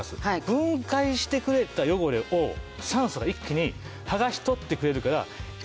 分解してくれた汚れを酸素が一気に剥がし取ってくれるから。